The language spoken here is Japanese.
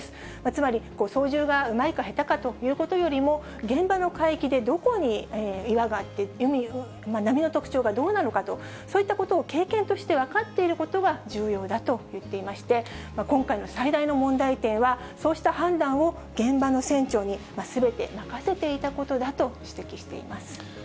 つまり、操縦がうまいか下手かということよりも、現場の海域でどこに岩があって、波の特徴がどうなのかと、そういったことを経験として分かっていることが重要だと言っていまして、今回の最大の問題点は、そうした判断を、現場の船長にすべて任せていたことだと指摘しています。